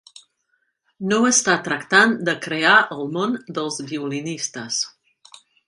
No està tractant de crear el món dels violinistes.